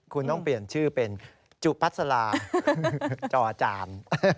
คุณต้องเปลี่ยนชื่อเป็นจุปัสลาจอจาน